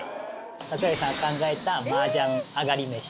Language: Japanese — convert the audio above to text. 桜井さんが考えた麻雀あがりメシ。